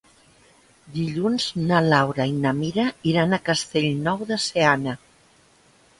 Dilluns na Laura i na Mira iran a Castellnou de Seana.